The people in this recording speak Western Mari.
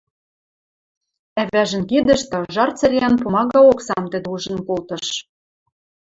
Ӓвӓжӹн кидӹштӹ ыжар цӹреӓн пумага оксам тӹдӹ ужын колтыш.